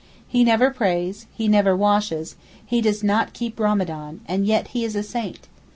He never prays, he never washes, he does not keep Ramadan, and yet he is a saint.